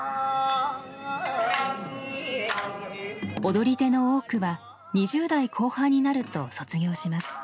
踊り手の多くは２０代後半になると卒業します。